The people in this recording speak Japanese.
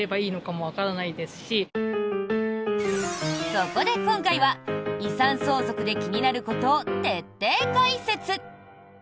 そこで、今回は遺産相続で気になることを徹底解説。